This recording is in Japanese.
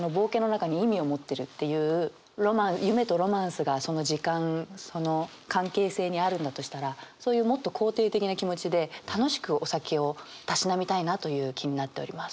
夢とロマンスがその時間その関係性にあるんだとしたらそういうもっと肯定的な気持ちで楽しくお酒をたしなみたいなという気になっております。